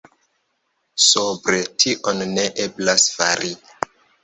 Sobre tion ne eblas fari.